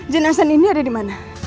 jenasan ini ada dimana